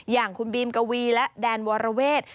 อย่างคุณบีมกวีและแดนวรเวท